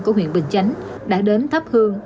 của huyện bình chánh đã đến thấp hương